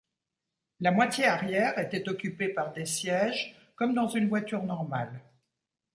La moitié arrière était occupée par des sièges comme dans une voiture normale.